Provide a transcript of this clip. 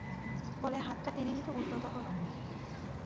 বলে হাতটা টেনে নিতে উদ্যত হল।